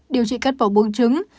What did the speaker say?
điều trị cắt vỏ buông trứng